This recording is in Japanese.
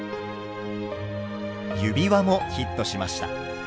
指輪もヒットしました。